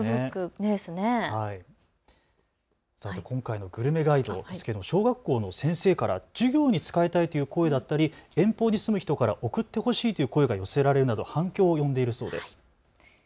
さて今回のグルメガイドですけど小学校の先生から授業に使いたいという声だったり、遠方に住む人から送ってほしいという声が寄せられるなど反響を呼んでいるそうです。